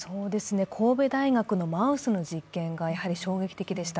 神戸大学のマウスの実験が衝撃的でした。